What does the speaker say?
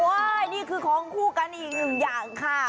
นี่คือของคู่กันอีกหนึ่งอย่างค่ะ